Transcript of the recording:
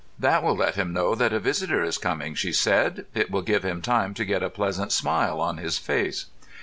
"That will let him know that a visitor is coming," she said. "It will give him time to get a pleasant smile on his face."